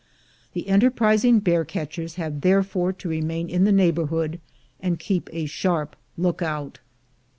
The enterprising bear catchers have therefore to re main in the neighborhood, and keep a sharp lookout.